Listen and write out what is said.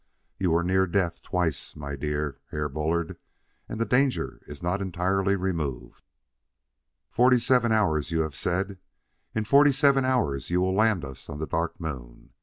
"You were near death twice, my dear Herr Bullard; and the danger is not entirely removed. "'Forty seven hours' you have said; in forty seven hours you will land us on the Dark Moon.